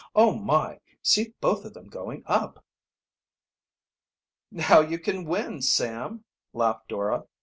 "Oh, my! See both of them going up!" "Now you can win, Sam!" laughed Dora.